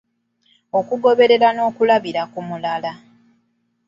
Okugoberera n'okulabira ku mulala